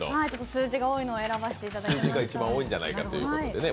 数字が多いのを選ばせていただきました。